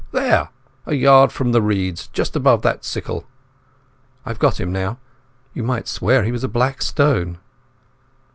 There! A yard from the reeds just above that stickle." "I've got him now. You might swear he was a black stone."